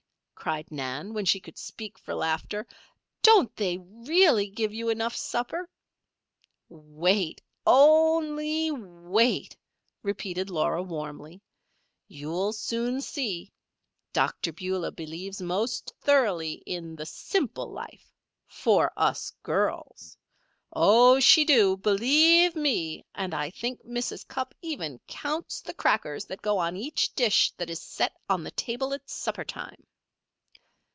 cried Nan, when she could speak for laughter. "Don't they really give you enough supper?" "Wait! Only wait!" repeated Laura, warmly. "You'll soon see. Dr. Beulah believes most thoroughly in 'the simple life' for us girls. Oh, she do believe me! And I think Mrs. Cupp even counts the crackers that go on each dish that is set on the table at supper time.